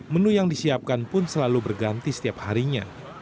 menu yang disiapkan pun selalu berganti setiap harinya